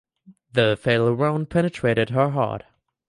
The fatal wound penetrated her heart.